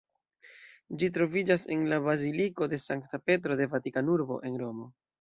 Ĝi troviĝas en la Baziliko de Sankta Petro de Vatikanurbo en Romo.